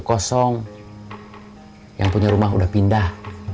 orang punya rumah sudah pindah